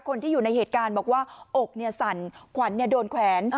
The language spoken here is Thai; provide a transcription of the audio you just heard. คนที่อยู่ในเหตุการณ์บอกว่าอกสั่นขวัญโดนแขวน